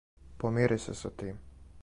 Помири се са тим!